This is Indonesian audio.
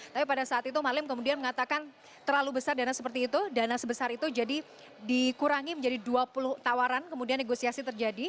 tapi pada saat itu malim kemudian mengatakan terlalu besar dana seperti itu dana sebesar itu jadi dikurangi menjadi dua puluh tawaran kemudian negosiasi terjadi